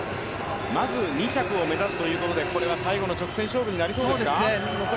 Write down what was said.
まず２着を目指すということで最後の直線勝負になりそうですか。